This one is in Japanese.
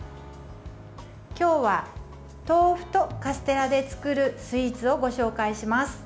今日は、豆腐とカステラで作るスイーツをご紹介します。